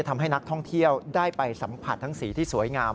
ทำให้นักท่องเที่ยวได้ไปสัมผัสทั้งสีที่สวยงาม